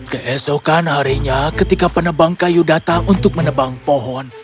keesokan harinya ketika penebang kayu datang untuk menebang pohon